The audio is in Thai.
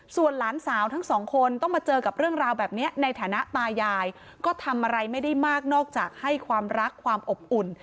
ส่วนหลานสาวทั้งสองคนต้องมาเจอกับเรื่องราวแบบนี้ในฐานะตายายก็ทำอะไรไม่ได้มากนอกจากให้ความรักความอบอุ่น